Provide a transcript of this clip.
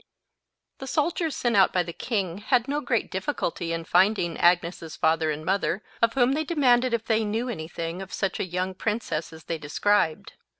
The soldiers sent out by the king, had no great difficulty in finding Agnes's father and mother, of whom they demanded if they knew any thing of such a young princess as they described.